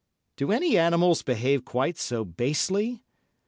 Do any animals behave quite so basely?